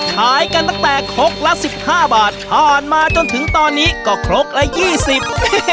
ขายกันตั้งแต่ครกละสิบห้าบาทผ่านมาจนถึงตอนนี้ก็ครกละยี่สิบ